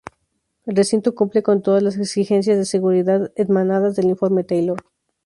El recinto cumple con todas las exigencias de seguridad emanadas del Informe Taylor.